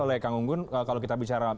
oleh kang unggun kalau kita bicara